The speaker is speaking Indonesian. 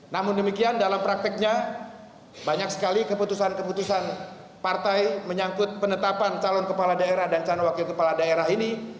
namun demikian dalam prakteknya banyak sekali keputusan keputusan partai menyangkut penetapan calon kepala daerah dan calon wakil kepala daerah ini